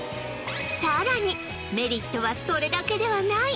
さらにメリットはそれだけではない！